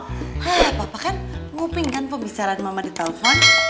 hah papa kan nguping kan pembicaraan mama di telepon